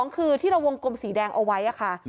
คือที่เราวงกลมสีแดงเอาไว้ค่ะ